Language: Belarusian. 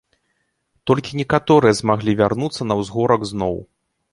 Толькі некаторыя змаглі вярнуцца на ўзгорак зноў.